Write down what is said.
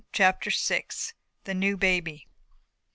CHAPTER VI. THE NEW BABY.